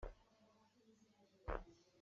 Khi hrai khi ka pe tuah.